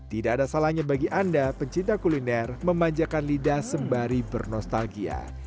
tidak ada salahnya bagi anda pencinta kuliner memanjakan lidah sembari bernostalgia